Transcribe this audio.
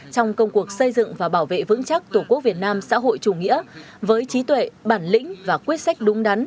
trong công cuộc xây dựng và bảo vệ vững chắc tổ quốc việt nam xã hội chủ nghĩa với trí tuệ bản lĩnh và quyết sách đúng đắn